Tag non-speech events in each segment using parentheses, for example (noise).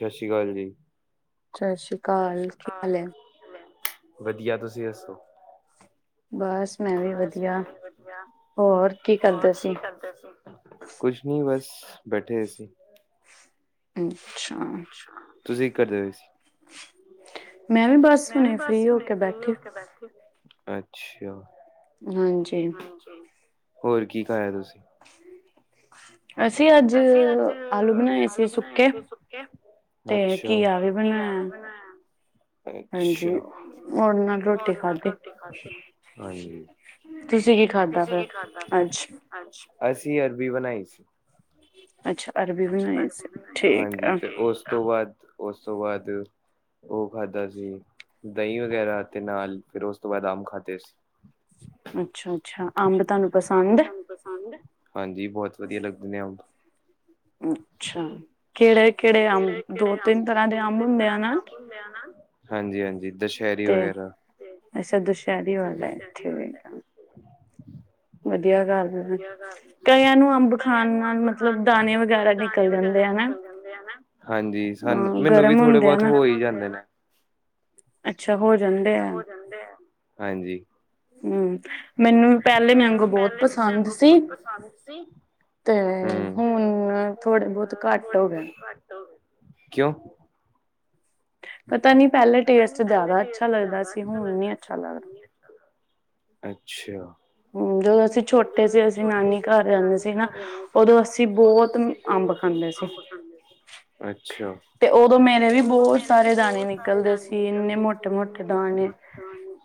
ਸਤਿ ਸ਼੍ਰੀ ਅਕਾਲ ਜੀ। ਸਤਿ ਸ਼੍ਰੀ ਅਕਾਲ ਕਿ ਹਾਲ ਐ? ਵਧੀਆ। ਤੁਸੀਂ ਦੱਸੋ। ਬੱਸ। ਮੈਂ ਵੀ ਵਧੀਆ। ਬੱਸ ਮੈਂ ਵੀ ਵਧੀਆ। ਹੋਰ ਕੀ ਕਰਦੇ ਸੀ। ਕੁੱਛ ਨੀ ਬੱਸ ਬੈਠੇ ਹੋਏ ਸੀ। ਤੁਸੀਂ ਕੀ ਕਰਦੇ ਪਏ ਸੀ। ਮੈਂ ਵੀ ਬਸ, ਹੁਣੇ ਫ੍ਰੀ ਹੋ ਕੇ ਬੈਠੀ ਸੀ ਹਾਂਜੀ। ਹਾਂਜੀ। (inaudible) ਹੋਰ ਕੀ ਖਾਯਾ ਤੁਸੀਂ। ਅਸੀਂ, ਅੱਜ ਆਲੂ ਬਣਾਏ ਸੀ ਸੁੱਕੇ। ਅੱਛਾ, ਘਿਆ ਵੀ ਬਣਾਏਆ। ਅੱਛਾ, ਔਦੇ ਨਾਲ ਰੋਟੀ ਖਾਦੀ ਹਾਂਜੀ ਤੁਸੀਂ ਕੀ ਖਾਧਾ ਫਿਰ ਅੱਜ। ਅਸੀਂ ਅਰਬੀ ਬਣਾਈ ਸੀ। ਅੱਛਾ, ਅਰਬੀ। ਹਾਂਜੀ ਤੇ ਉਸ ਤੋਂ ਬਾਅਦ- ਉਸ ਤੋਂ ਬਾਅਦ।। ਉਹ ਖਾਧਾ ਸੀ, ਦਹੀਂ ਵਗੈਰਾ ਤੇ ਨਾਲ ਫਿਰ ਉਸ ਤੋਂ ਬਾਅਦ ਆਮ ਖਾਦੇ ਸੀ। ਅੱਛਾ- ਅੱਛਾ, ਅੰਬ ਤੁਹਾਨੂੰ ਪਸੰਦ ਐ ਪਸੰਦ ਐ ਹਾਂਜੀ, ਬਹੁਤ ਵਧੀਆ ਲੱਗਦੇ ਨੇ ਅੰਬ ਅੱਛਾ, ਕਿਹੜੇ- ਕਿਹੜੇ ਅੰਬ ਦੋ- ਤਿੰਨ ਤਰ੍ਹਾਂ ਦੇ ਅੰਬ ਹੁੰਦੇ ਆ ਨਾ। ਹਾਂਜੀ -ਹਾਂਜੀ, ਦਸਹਰੀ ਵਗੈਰਾ। ਅੱਛਾ ਦੁਸਹਰੀ ਵਾਲੇ, ਠੀਕ ਐ ਵਧੀਆ ਗੱਲ। ਕਈਆ ਨੂੰ ਅੰਬ ਖਾਣ ਨਾਲ ਮਤਲਬ, ਦਾਣੇ ਵਗੈਰਾ ਨਿਕਲ ਜਾਂਦੇ ਹੈਨਾ। ਹਾਂਜੀ ਸਾਨੂੰ ਮੈਨੂੰ ਵੀ ਥੋੜੇ ਬਹੁਤ ਹੋ ਹੀ ਜਾਂਦੇ ਨੇ। ਸਬ ਹੋ ਜਾਂਦੇ ਐ, ਹਾਂਜੀ। ਹੂ ਮੈਨੂੰ ਵੀ ਪਹਿਲੇ ਮੈਂਗੋ ਬਹੁਤ ਪਸੰਦ ਸੀ। ਸਾਨੂੰ ਸੀ। ਤੇ ਹੁਣ ਥੋੜੇ ਬਹੁਤ ਘੱਟ ਹੋ ਗਏਣ। ਕਿਉ। ਪਤਾ ਨੀ ਪਹਿਲੇ ਟੇਸਟ ਜ਼ਿਆਦਾ ਅੱਛਾ ਲੱਗਦਾ ਸੀ, ਹੁਣ ਨੀ ਅੱਛਾ ਲੱਗਦਾ। ਅੱਛਾ। ਹਮ ਜਦ। (inaudible) ਅਸੀਂ ਛੋਟੇ ਸੀ, ਅਸੀਂ ਨਾਨੀ ਘਰ ਜਾਂਦੇ ਸੀ ਨਾ ਉਦੋਂ ਅਸੀਂ ਬਹੁਤ ਅੰਬ ਖਾਂਦੇ ਸੀ। ਅੱਛਾ। ਤੇ ਉਦੋਂ ਮੇਰੇ ਵੀ ਬਹੁਤ ਸਾਰੇ ਦਾਣੇ ਨਿਕਲਦੇ ਸੀ, ਇੰਨੇ ਮੋਟੇ- ਮੋਟੇ ਦਾਣੇ। ਹਾਂ।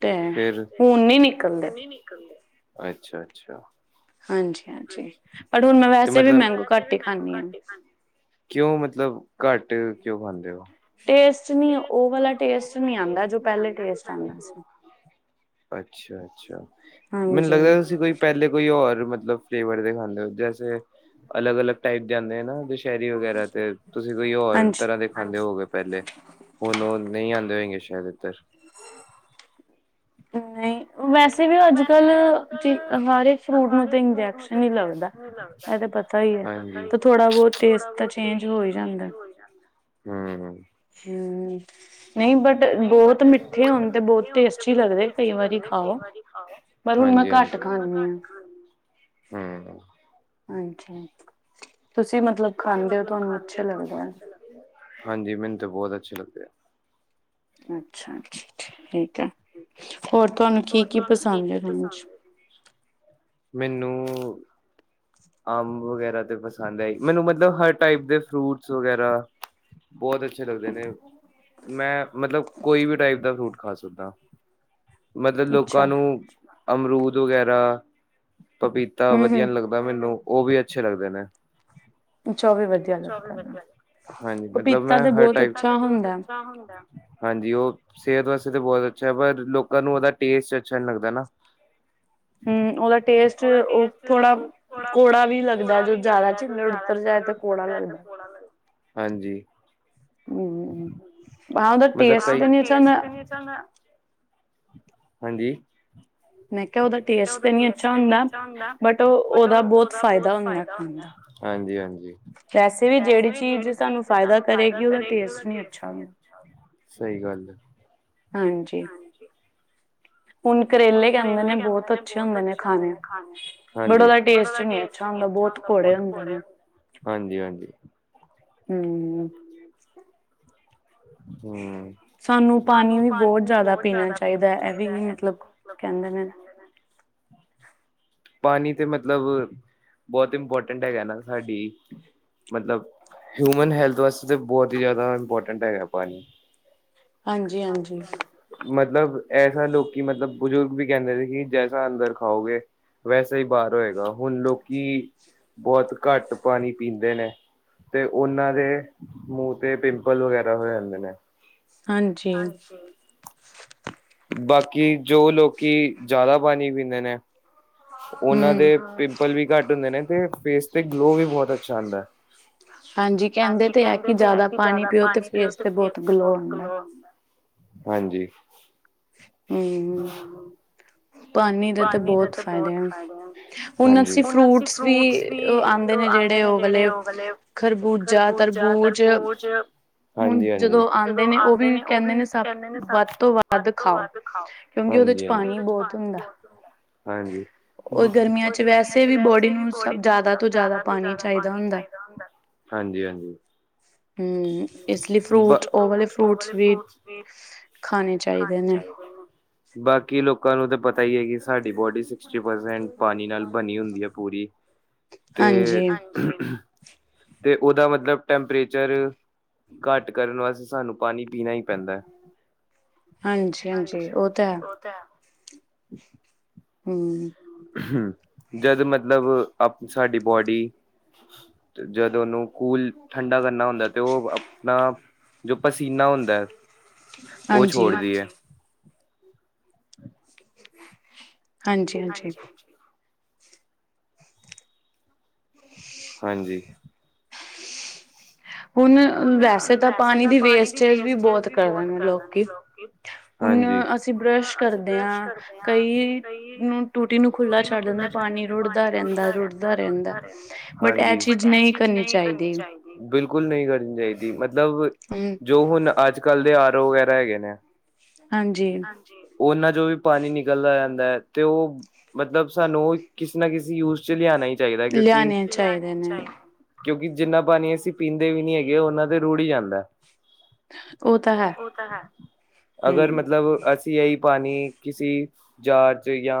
ਤੇ ਹੁਣ ਨੀ ਨਿਕਲਦੇ। (unintelligible) ਅੱਛਾ- ਅੱਛਾ। ਹਾਂਜੀ- ਹਾਂਜੀ, ਪਰ ਹੁਣ ਮੈਂ ਵੈਸੇ ਵੀ ਮੈਂਗੋ ਘੱਟ ਹੀ ਖਾਂਨੀ ਆਂ। ਕਿਉਂ, ਮਤਲਬ ਘੱਟ ਕਿਉਂ ਖਾਂਦੇ ਹੋ। ਟੇਸਟ ਨੀ ਉਹ ਵਾਲਾ ਟੇਸਟ ਨਹੀ ਆਉਂਦਾ, ਜੋ ਪਹਿਲੇ ਟੇਸਟ ਆਉਂਦਾ ਸੀ। ਅੱਛਾ -ਅੱਛਾ, ਮੈਨੂੰ ਲੱਗਦਾ ਤੁਸੀਂ ਕੋਈ। ਪਹਿਲੇ ਕੋਈ ਹੋਰ ਮਤਲਬ ਫਲੇਵਰ ਦੇ ਖਾਂਦੇ ਹੋ, ਜੈਸੇ ਅਲੱਗ- ਅਲੱਗ। ਟਾਈਪ ਜਾਂਦੇ ਆ ਨਾ ਦੁਸਹਿਰੀ ਵਗੈਰਾ ਤੇ ਤੁਸੀਂ ਕੋਈ ਹੋਰ ਤਰਾਂ ਦੇ ਖਾਂਦੇ ਹੋਗੇ ਪਹਿਲੇ। ਹੁਣ ਉ ਨਈ ਆਂਦੇ, ਹੋਏਗੇ ਸ਼ਾਇਦ ਇੱਧਰ। ਨਹੀਂ। ਵੈਸੇ ਵੀ ਅੱਜ -ਕਲ, ਹਰੇ ਫਰੂਟ ਨੂੰ ਤੇ ਇੰਜੈਕਸ਼ਨ ਹੀ ਲੱਗਦਾ। ਲੱਗਦਾ ਥੋੜਾ ਬਹੁਤ ਤੇ ਤਾਂ ਚੇਂਜ ਹੋ ਹੀ ਜਾਂਦਾ। ਹੂੰ। ਹੂੰ। ਨਹੀਂ ਬਟ ਬੋਤ ਮਿੱਠੇ ਹੁੰਦੇ ਬੋਤ ਟੇਸਟੀ ਲੱਗਦੇ ਕਈ ਵਾਰੀ ਖਾਓ। ਪਰ ਹੁਣ ਮੈਂ ਘੱਟ ਖਾਂਨੀ ਹਾਂ। ਹੂੰ। ਹਾਂਜੀ ਤੁਸੀਂ ਮਤਲਬ ਖਾਂਦੇ ਹੋ, ਤੁਹਾਨੂੰ ਅੱਛਾ ਲੱਗਦਾ ਐ। ਹਾਂਜੀ ਮੈਨੂੰ ਤੇ, ਬੋਤ ਅੱਛੇ ਲੱਗਦੇ ਐ। ਅੱਛਾ -ਅੱਛਾ ਠੀਕ ਹੈ, ਹੋਰ ਤੁਹਾਨੂੰ ਕੀ- ਕੀ ਪਸੰਦ ਐ, ਖਾਨੇ ਚ। ਮੈਨੂੰ, ਅੰਬ ਵਗੈਰਾ ਤੇ ਪਸੰਦ ਹੈ ਈ, ਮੈਨੂੰ ਮਤਲਬ ਹਰ ਟਾਈਪ ਦੇ ਫਰੂਟਸ ਵਗੈਰਾ। ਬੋਤ ਅੱਛੇ ਲੱਗਦੇ ਨੇ, ਮੈਂ ਮਤਲਬ ਕੋਈ ਵੀ ਟਾਈਪ ਦਾ ਫਰੂਟ। ਖਾ ਸਕਦਾਂ ਮਤਲਬ ਲੋਕਾਂ ਨੂੰ, ਅਮਰੂਦ ਵਗੈਰਾ, ਪਪੀਤਾ ਵਧੀਆ ਲੱਗਦਾ ਮੈਨੂੰ ਉ ਵੀ ਅੱਛੇ ਲੱਗਦੇ ਨੇ। ਚੌਵੀ ਵਜ, ਹਾਂਜੀ ਮਤਲਬ ਮੈਂ, ਪਪੀਤਾ ਤਾਂ ਬੋਤ ਅੱਛਾ ਹੁੰਦਾ। ਹਾਂਜੀ ਉ ਸਿਹਤ ਵਾਸਤੇ ਤਾਂ ਬੋਤ ਅੱਛਾ ਹੈ। ਪਰ ਲੋਕਾਂ ਨੂੰ ਉਹਦਾ ਟੇਸਟ ਅੱਛਾ ਨੀ ਲੱਗਦਾ ਨਾ। ਹੂੰ। ਉਹ ਦਾ ਟੇਸਟ ਉਹ ਥੋੜਾ, ਕੌੜਾ ਵੀ ਲੱਗਦਾ ਜਦੋ ਜ਼ਿਆਦਾ ਛਿੱਲੜ ਉਤਰ ਜਾਏ ਤੇ ਕੌੜਾ ਲੱਗਦਾ ਹਾਂਜੀ। ਹੂੰ-ਹੂੰ, ਹੂੰ ਬਾਰ ਦਾ ਟੈਸਟ ਤੇ ਨੀ ਅੱਛਾ ਹੁੰਦਾ। ਹਾਂਜੀ? ਮੈਂ ਕਿਆ ਉਹਦਾ, ਟੇਸਟ ਤਾਂ ਨੀ ਅੱਛਾ ਹੁੰਦਾ ਬਟ ਉਹ ਉਹਦਾ ਬੋਤ ਫਾਇਦਾ ਹੁੰਦਾ ਖਾਨ ਦਾ। ਵੈਸੇ ਵੀ ਜਿਹੜੀ ਚੀਜ਼ ਸਾਨੂੰ ਫਾਇਦਾ ਕਰੇਗੀ ਉਹਦਾ ਟੇਸਟ ਨਹੀਂ ਅੱਛਾ ਹੁੰਦਾ। ਸਹੀ ਗੱਲ ਏ। ਹਾਂਜੀ। ਹੁਨ ਕਰੇਲੇ ਕਹਿੰਦੇ ਨੇ ਬੋਤ ਅੱਛੇ ਹੁੰਦੇ ਨੇ ਖਾਣੇ, ਬਟ ਉਹਦਾ ਟੇਸਟ ਨੀ ਐ। ਅੱਛਾ ਹੁੰਦਾ ਬਹੁਤ ਕੋੜੇ ਹੁੰਦੇ ਨੇ। ਹਾਂਜੀ -ਹਾਂਜੀ। ਹੂੰ। ਹੂੰ ਸਾਨੂੰ ਪਾਣੀ ਵੀ ਬਹੁਤ ਜਿਆਦਾ ਪੀਣਾ ਚਾਹੀਦਾ ਇਹ ਵੀ ਮਤਲਬ, ਹੂੰ ਪਾਨੀ ਤੇ ਮਤਲਬ ਬਹੁਤ ਇੰਪੋਰਟੈਂਟ ਹੈਗਾ ਨਾ ਸਾਡੀ ਮਤਲਬ ਹਿਊਮਨ ਹੈਲਥ ਵਾਸਤੇ ਤਾਂ, ਬਹੁਤ ਹੀ ਜ਼ਿਆਦਾ ਇੰਪੋਰਟੈਂਟ ਹੈਗਾ ਪਾਨੀ। ਹਾਂਜੀ -ਹਾਂਜੀ। ਮਤਲਬ ਐਸਾ ਲੋਕੀ ਮਤਲਬ ਬਜ਼ੁਰਗ ਵੀ ਕਹਿੰਦੇ ਨੇ ਕਿ ਜੈਸਾ ਅੰਦਰ ਖਾਓਗੇ, ਵੈਸੇ ਹੀ ਬਾਹਰ ਹੋਏਗਾ। ਹੁਣ ਲੋਕੀ ਬਹੋਤ ਘੱਟ ਪਾਣੀ ਪੀਂਦੇ ਨੇ। ਤੇ ਉਹਨਾਂ ਦੇ ਮੂੰਹ ਤੇ, ਪਿੰਪਲ ਵਗੈਰਾ ਹੋ, ਜਾਂਦੇ ਨੇ। ਹਾਂਜੀ। ਬਾਕੀ ਜੋ ਲੋਕੀ ਜਾਆਦਾ ਪਾਣੀ ਪੀਂਦੇ ਨੇ। ਉਹਨਾਂ ਦੇ ਪਿੰਪਲ ਵੀ ਘੱਟ ਹੁੰਦੇ ਨੇ ਤੇ ਫੇਸ ਤੇ ਗਲੋ ਵੀ ਬਹੁਤ ਅੱਛਾ ਆਦਾ। ਹਾਂਜੀ ਕਹਿੰਦੇ ਤੇ ਹੈ ਕਿ ਜ਼ਿਆਦਾ ਪਾਣੀ ਪਿਓ ਤੇ ਫੇਸ ਤੋਂ ਗਲੋ ਹੁੰਦਾ। ਹਾਂਜੀ। ਹਮ। ਪਾਣੀ ਦੇ ਤੋਂ ਬਹੁਤ ਫ਼ਾਇਦੇ ਹੈ ਹੁਣ ਅਸੀਂ ਫਰੂਟਸ ਵੀ। ਉਹ ਆਉਂਦੇ ਨੇ ਜਿਹੜੇ ਉਹ ਵਾਲੇ ਖਰਬੂਜਾ ਤਰਬੂਜ। ਹੁਣ ਜਦੋਂ ਆਉਂਦੇ ਨੇ ਉਹ ਵੀ ਕਹਿੰਦੇ ਨੇ ਸਭ ਵੱਧ ਤੋਂ ਵੱਧ। ਖਾਓ ਕਿਉਂਕਿ ਉਹਦੇ ਚ ਪਾਣੀ ਬਹੁਤ ਹੁੰਦਾ। ਹਾਂਜੀ। ਉਹ ਗਰਮੀਆਂ ਚ ਵੈਸੇ ਵੀ ਬੋਡੀ ਨੂੰ ਜਿਆਦਾ ਤੋਂ ਜਿਆਦਾ ਪਾਣੀ ਚਾਹੀਦਾ ਹੁੰਦਾ। ਹਾਂਜੀ -ਹਾਂਜੀ। ਹੂ ਇਸ ਲਈ ਫਰੂਟ ਉਹ ਵਾਲੇ ਫਰੂਟਸ ਵੀ। ਖਾਣੇ ਚਾਹੀਦੇ ਨੇ। ਬਾਕੀ ਲੋਕਾਂ ਨੂੰ ਤਾਂ ਪਤਾ ਹੀ ਹੈ। ਸਾਡੀ ਬੋਡੀ ਸਿਕਸਟੀ ਪਰਸੈਂਟ ਪਾਣੀ ਨਾਲ ਬਣੀ ਹੁੰਦੀ ਹੈ ਪੂਰੀ ਤੇ। ਤੇ ਉਹਦਾ ਮਤਲਬ ਟੈਂਪਰੇਚਰ। ਘੱਟ ਕਰਨ ਵਾਸਤੇ ਸਾਨੂੰ ਪਾਣੀ ਪੀਣਾ ਈ ਪੈਂਦੈ। ਹਾਂਜੀ-ਹਾਂਜੀ ਉਹ ਤਾਂ ਹੈ। ਹੂੰ। ਹੂੰ ਜਦ ਮਤਲਬ ਆਪ ਸਾਡੀ ਬੋਡੀ। ਜਦ ਉਹਨੂੰ ਕੂਲ ਠੰਡਾ ਕਰਨਾ ਹੁੰਦਾ ਤੇ ਉਹ ਆਪ। ਨਾਂ ਜੋ ਪਸੀਨਾ ਹੁੰਦਾ ਐ ਉਹ ਛੋੜਦੀ ਐ। ਹਾਂਜੀ-ਹਾਂਜੀ। ਹਾਂਜੀ। ਹੁਣ ਵੈਸੇ ਤਾਂ ਪਾਣੀ ਦੀ ਵੇਸਟੇਜ ਵੀ ਬਹੁਤ ਕਰ ਰਹੇ ਲੋਕੀ। ਹੁਣ ਅਸੀਂ ਬਰੱਸ਼ ਕਰਦੇ ਆਂ ਕਈ ਨੂੰ ਟੁਟੀ। ਟੁਟੀ ਨੂੰ ਖੁੱਲ੍ਹਾ ਛੱਡ ਦਿੰਦੇ ਪਾਣੀ ਰੁੜਦਾ ਰਹਿੰਦਾ ਰੁੜਦਾ ਰਹਿੰਦਾ ਬਟ ਇਹ ਚੀਜ਼ ਨਈਂ। ਨਈ ਕਰਨੀ ਚਾਹੀਦੀ। ਬਿਲਕੁਲ ਨਈਂ ਕਰਨੀ ਚਾਹੀਦੀ ਮਤਲਬ ਜੋ ਹੁਣ ਅੱਜ-ਕੱਲ ਦੇ ਆਰੋ ਵਗੈਰਾ ਹੈਗੇ ਨੇਂ। ਹਾਂਜੀ। ਉਹਨਾਂ ਚੋਂ ਵੀ ਪਾਣੀ ਨਿਕਲਦਾ ਰਹਿੰਦਾ ਐ ਤੇ ਉਹ। ਮਤਲਬ ਸਾਨੂੰ ਓ ਕਿਸੇ ਨਾਂ ਕਿਸੇ ਯੂਜ ਚ ਲਿਆਣਾ ਈ ਚਾਹੀਦਾ ਕਿਉੰਕਿ। ਕਿਉਂਕਿ ਜਿੰਨਾ ਪਾਣੀ ਅਸੀਂ ਪੀਂਦੇ ਵੀ ਨਹੀਂ ਹੈਗੇ ਉਹਨਾਂ ਤੇ ਰੂੜ ਈ ਜਾਂਦਾ। ਉਹ ਤਾਂ ਹੈ ਅਗਰ ਮਤਲਬ ਅਸੀਂ। ਯੇਹੀ ਪਾਣੀ ਕਿਸੀ ਜਾਂਰ ਚ ਯਾ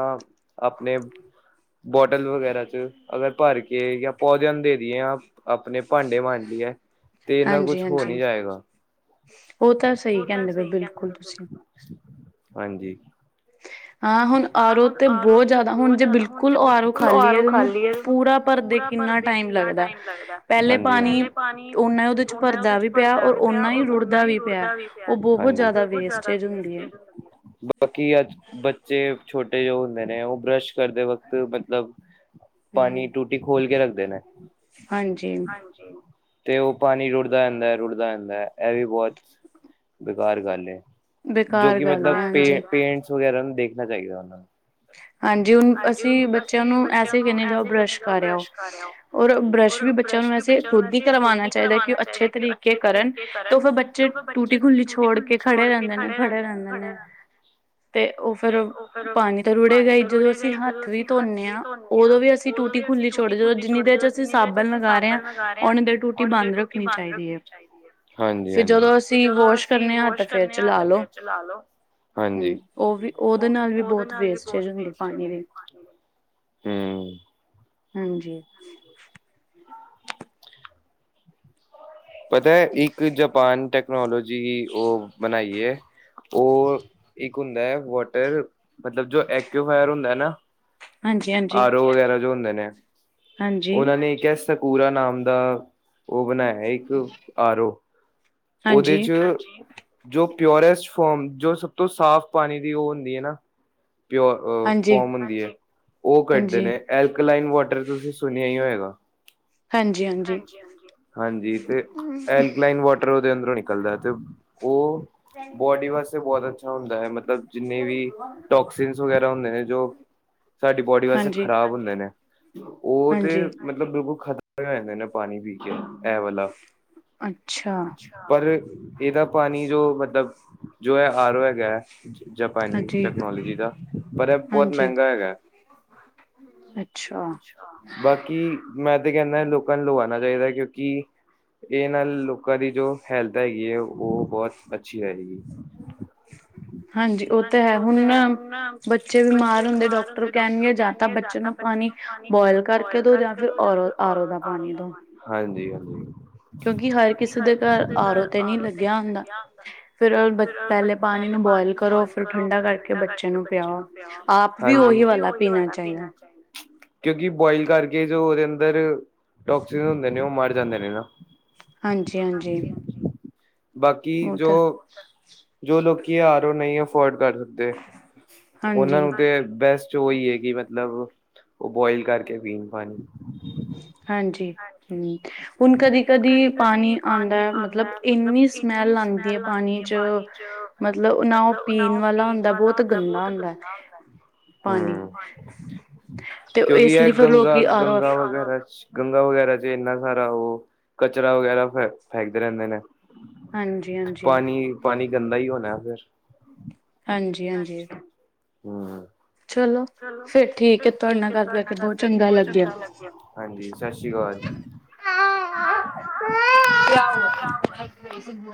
ਆਪਣੇ। ਬੋਟਲ ਵਗੈਰਾ ਚ' ਅਗਰ ਭਰ ਕੇ ਜਾਂ ਪੌਦਿਆਂ ਨੂੰ ਦੇ ਦੀਏ ਨਾਂ ਆਪਣੇ ਭਾਂਡੇ ਮਾਂਜੇ। ਤੇ ਇਨਾ ਕੁਛ ਹੋ ਨੀਂ ਜਾਏਗਾ। ਉਹ ਤਾਂ ਸਹੀ ਕਹਿੰਦੇ ਪਏ ਅੋ ਬਿਲਕੁਲ ਤੁਸੀਂ। ਹਾਂਜੀ। ਹਾਂ ਹੁਣ ਆਰ ਓ ਤੇ ਬਹੁਤ ਜ਼ਿਆਦਾ ਹੁਣ ਜੇ ਬਿਲਕੁਲ ਆਰ ਓ ਖਾਲੀ ਐ ਤੇ ਉਹਨੂੰ। ਪੂਰਾ ਭਰਦੇ ਕਿੰਨਾ ਟਾਈਮ ਲੱਗਦਾ ਪਹਿਲੇ ਪਾਣੀ ਓਨਾ ਉਹਦੇ। ਭਰਦਾ ਵੀ ਪਿਆ ਔਰ ਓਨਾ ਹੀ ਰੁੜਦਾ ਵੀ ਪਿਆ ਉਹ ਬਹੁਤ ਜ਼ਿਆਦਾ ਵੇਸਟੇਜ ਹੁੰਦੀ ਐ। ਬਾਕੀ ਅੱਜ ਬੱਚੇ ਛੋਟੇ ਜੋ ਹੁੰਦੇ ਨੇਂ ਉਹ ਬਰੱਸ਼। ਕਰਦੇ ਵਕਤ ਮਤਲਬ ਪਾਣੀ ਟੂਟੀ ਖੋਲ ਕੇ ਰੱਖਦੇ ਨੇਂ। ਹਾਂਜੀ। (inaudible) ਤੇ ਓ ਪਾਣੀ ਰੁੜਦਾ ਰੈਂਦਾ, ਰੁੜਦਾ ਰੈਂਦਾ ਐ, ਐ ਵੀ ਬੋਤ ਬੇਕਾਰ ਗੱਲ ਐ, ਜੋ ਕਿ ਮਤਲਬ ਪੇਂਟ-ਪੇਂਟਸ ਵਗੈਰਾ ਨੂੰ ਦੇਖਣਾ ਚਾਈਦਾ ਓਨ੍ਹਾਂ ਨੂੰ। ਹਾਂਜੀ, ਹੁਣ ਅਸੀਂ ਬੱਚਿਆਂ ਨੂੰ ਐਸੇ ਈ ਕੇਣੇ ਜਾਓ ਬਰੱਸ਼ ਕਰ ਆਓ। ਔਰ ਬਰੱਸ਼ ਵੀ ਬੱਚਿਆਂ ਨੂੰ ਵੈਸੇ ਖੁਦ ਈ ਕਰਵਾਣਾ ਚਾਈਦਾ ਕਿ ਓ ਅੱਛੇ ਤਰੀਕੇ ਕਰਨ ਤੇ ਫੇਰ ਬ ਚੇ ਟੂਟੀ ਖੁੱਲੀ ਛੋੜ ਕੇ ਖੜੇ ਰੈਂਦੇ ਨੇਂ, ਖੜੇ ਰੈਂਦੇ ਨੇਂ। ਤੇ ਓ ਫੇਰ, ਪਾਣੀ ਰੁੜੇਗਾ ਈ। ਜਦੋਂ ਅਸੀਂ ਹੱਥ ਵੀ ਧੋਨੇਂ ਆਂ, ਉਦੋਂ ਵੀ ਅਸੀਂ ਟੂਟੀ ਖੁੱਲੀ ਛੋੜੇ ਜਦੋਂ ਜਿੰਨੀ ਦੇਰ ਚ ਅਸ ਜਿੰਨੀ ਦੇਰ ਚ ਅਸੀਂ ਸਾਬਣ ਲਗਾ ਰੇ ਆਂ, ਓਨੀਂ ਦੇਰ ਟੂਟੀ ਬੰਦ ਰੱਖਣੀ ਚਾਈਦੀ ਐ। ਹਾਂਜੀ-ਹਾਂਜੀ, ਫਿਰ ਜਦੋਂ ਅਸੀ ਵਾਸ਼ ਕਰਨੇ ਆਂ ਤੇ ਫ਼ੇਰ ਚਲਾਲੋ, ਹਾਂਜੀ। ਓ ਵੀ, ਓਦੇ ਨਾਲ ਵੀ ਬੋਤ ਨਾਲ ਵੀ ਬੋਤ ਵੇਸਟ (unintelligible) ਹਂ। ਹਾਂਜੀ। ਪਤਾ ਐ ਇੱਕ ਜਾਪਾਨ ਟੈਕਨੋਲੋਜੀ ਓ, ਬਣਾਈ ਏ ਓ ਇੱਕ ਹੁੰਦਾ ਐ ਵਾਟਰ, ਮਤਲਬ ਜੋ ਐਕਊਫਾਇਰ ਹੁੰਦਾ ਨਾਂ ਆਰ ਓ ਵਗੈਰਾ ਜੋ ਹੁੰਦੇ ਨੇਂ, ਓਨ੍ਹਾਂ ਨੇ ਏ ਕਿਆ ਸ ਸਕੂਰਾ ਨਾਮ ਦਾ, ਓ ਬਣਾਇਆ ਇੱਕ ਆਰ ਓ। ਓਦੇ ਚ, ਜੋ ਪਿਓਰੇਸਟ ਫੋਮ, ਜੋ ਸਭ ਤੋਂ ਸਾਫ ਪਾਣੀ ਦੀ ਓ ਹੁੰਦੀ ਐ ਨਾਂ ਪਿਓਰ ਅ ਫੋਮ ਹੁੰਦੀ ਐ, ਉਹ ਕੱਢਦੇ ਨੇਂ, ਐਲਕਲਾਈਨ ਵਾਟਰ ਤੁਸੀਂ ਸੁਣਿਆ ਈ ਹੋਏਗਾ। ਹਾਂਜੀ ਹਾਂਜੀ। ਹਾਂਜੀ ਤੇ, ਐਲਕਲਾਈਨ ਵਾਟ ਵਾਟਰ ਓਦੇ ਅੰਦਰੋਂ ਨਿਕਲਦਾ ਤੇ ਓ ਬੋਡੀ ਵਾਸਤੇ ਬੋਤ ਅੱਛਾ ਹੁੰਦਾ ਐ, ਮਤਲਬ ਜਿੰਨੇ ਵੀ ਟੋਕਸੀਨ ਵਗੈਰਾ ਹੁੰਦੇ ਨੇ ਜੋ ਸਾਡੀ ਬੋਡੀ ਵਾਸਤੇ ਖ਼ਰਾਬ ਹੁੰਦੇ ਨੇ, ਓ ਤੇ ਮਤਲਬ ਬਿਲਕੁਲ ਖਤਮ ਹੋ ਜਾਂਦੇ ਨੇ। ਪਾਣੀ ਪੀ ਕੇ ਐ ਵਾਲਾ। ਅੱਛਾ। ਪਰ ਏਦਾ ਪਾਣੀ ਜੋ ਮਤਲਬ ਜੋ ਐ ਆਰ ਓ ਹੈਗਾ। ਜ ਜਪਾਨੀ ਟੈਕਨੋਲੋਜੀ ਦਾ ਪਰ ਇਹ ਬੋਤ ਮਹਿੰਗਾ ਹੈਗਾ। ਅੱਛਾ। ਬਾਕੀ ਮੈਂ ਤੇ ਕੈਣਾਂ ਲੋਕਾਂ ਨੂੰ ਲਵਾਣਾ ਚਾਈਦਾ ਕਿਉਂਕਿ ਏ ਨਾਲ ਲੋਕਾਂ ਦੀ ਜੋ ਹੈਲਥ ਹੈਗੀ ਐ, ਓ ਬੋਤ ਅੱਛੀ ਰਏਗੀ। ਹਂ। ਹਾਂਜੀ ਓ ਤੇ ਹੈ। ਹੁਣ ਬੱਚੇ ਬਿਮਾਰ ਹੁੰਦੇ ਡਾਕਟਰ ਕੈਣਗੇ ਜਾਂ ਤਾਂ ਬੱਚੇ ਨੂੰ ਪਾਣੀ ਬੋਇਲ ਕਰਕੇ ਦੋ ਜਾਂ ਫਿਰ ਔਰੋ, ਆਰੋ ਦਾ ਪਾਣੀ ਦੋ। ਹਾਂਜੀ ਹਾਂਜੀ। ਕਿਉਂਕਿ ਹਰ ਕਿਸੇ ਦੇ ਘਰ ਆਰੋ ਤੇ ਨ੍ਹੀਂ ਲੱਗਿਆ ਹੁੰਦਾ ਫਿਰ ਬ ਪਹਿਲੇ ਪਾਣੀ ਨੂੰ ਬੋਇਲ ਕਰੋ ਫਿਰ ਠੰਢਾ ਕਰਕੇ ਬੱਚੇ ਨੂੰ ਪਿਆਓ। ਆਪ ਵੀ ਓਹੀ ਵਾਲਾ ਪੀਣਾ ਚਾਈਦਾ। ਕਿਉਂਕਿ ਬੋਇਲ ਕਰਕੇ ਜੋ ਏਦੇ ਅੰਦਰ ਟੋਕਸੀਸ ਹੁੰਦੇ ਨੇ, ਓ ਮਰ ਜਾਂਦੇ ਨੇ ਨਾਂ। ਹਾਂਜੀ ਹਾਂਜੀ। ਬਾਕੀ ਜੋ, ਜੋ ਲੋਕੀ ਆਰ ਓ ਨਈਂ ਅਫੋਰਡ ਕਰ ਸਕਦੇ ਓਨ੍ਹਾਂ ਨੂੰ ਤੇ ਬੈਸਟ ਚ ਓਈ ਏ ਕਿ ਮਤਲਬ, ਓ ਬੋਇਲ ਕਰਕੇ ਪੀਣ ਪਾਣੀ। ਹਾਂਜੀ, ਹਂ। ਹੁਣ ਕਦੀ-ਕਦੀ ਪਾਣੀ ਆਂਦਾ ਮਤਲਬ, ਏਨੀਂ ਸਮੈੱਲ ਆਂਦੀ ਐ ਪਾਣੀ ਚ ਮਤਲਬ ਨਾ ਓ ਪੀਣ ਵਾਲਾ ਹੁੰਦਾ, ਬੋਤ ਗੰਦਾ ਹੁੰਦਾ। ਪਾਣੀ। ਕਿਉਂਕਿ ਇਹ ਗੰਗਾ-ਗੰਗਾ ਵਗੈਰਾ ਚ ਗੰਗਾ ਵਗੈਰਾ ਚ ਇੰਨਾ ਸਾਰਾ ਉ ਕਚਰਾ ਵਗੈਰਾ ਫੈ ਫੈਕਦੇ ਰਹਿੰਦੇ ਨੇ। ਪਾਣੀ-ਪਾਣੀ, ਗੰਦਾ ਹੀ ਹੋਣਾ ਫਿਰ ਹਾਂਜੀ-ਹਾਂਜੀ, ਹੂੰ। ਚਲੋ, ਫਿਰ ਠੀਕ ਹੈ ਤੁਹਾਡੇ ਨਾਲ ਗੱਲ ਕਰਕੇ ਬਹੁਤ ਚੰਗਾ ਲੱਗਿਆ। ਕਿਆ ਹੂਆ? (unintelligible)